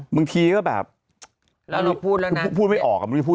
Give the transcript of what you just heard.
มึงทีก็แบบพูดไม่ออกก็ไม่พูดอย่างงี้